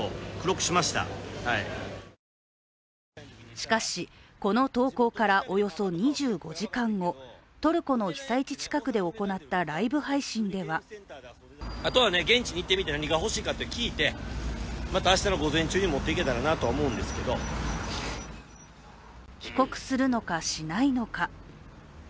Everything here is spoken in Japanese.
しかし、この投稿からおよそ２５時間後、トルコの被災地近くで行ったライブ配信では帰国するのか、しないのか。